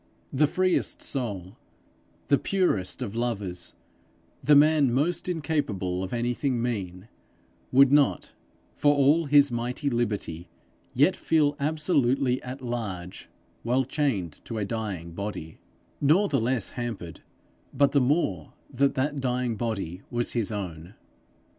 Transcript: The freest soul, the purest of lovers, the man most incapable of anything mean, would not, for all his mighty liberty, yet feel absolutely at large while chained to a dying body nor the less hampered, but the more, that that dying body was his own.